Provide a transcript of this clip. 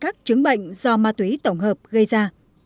các chứng bệnh do ma túy tổng hợp gây ra